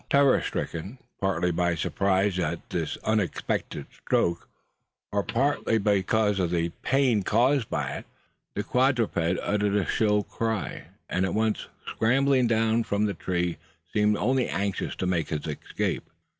Terror stricken, partly by surprise at this unexpected stroke, and partly by the pain caused by it, the quadruped uttered a shrill cry; and at once scrambling down from the tree, seemed only anxious to make his escape.